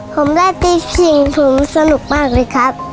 ผมได้ตีชิงผมสนุกมากเลยครับ